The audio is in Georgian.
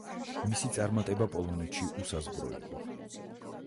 მისი წარმატება პოლონეთში უსაზღვრო იყო.